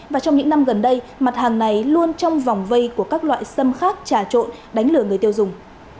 và trong những năm gần đây mặt hàng này luôn trong vòng vây của các loại sâm khác trà trộn đánh lừa người tiêu dùng